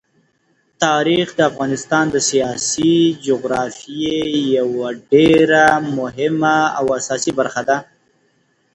تاریخ د افغانستان د سیاسي جغرافیې یوه ډېره مهمه او اساسي برخه ده.